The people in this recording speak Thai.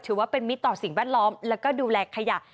ถือว่าเป็นมิตรต่อสิ่งแวดล้อมและก็ดูแลขยะ